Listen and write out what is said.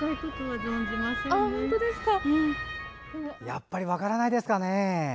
やっぱり分からないですかね。